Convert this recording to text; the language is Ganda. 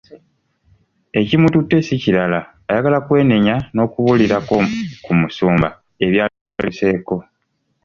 Ekimututte si kirala, ayagala kwenenya n’okubuulirako ku musumba ebyali bimutuuseeko!